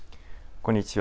こんにちは。